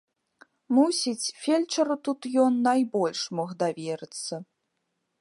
Мусіць, фельчару тут ён найбольш мог даверыцца.